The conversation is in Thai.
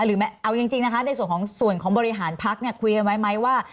หรือเอาจริงในส่วนของบริหารพักษณ์คุยกันไว้ไหมว่า